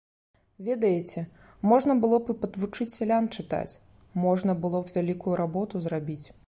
Ведаеце, можна было б і падвучыць сялян чытаць, можна было б вялікую работу зрабіць.